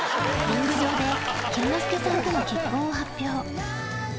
リング上で健之介さんとの結婚を発表。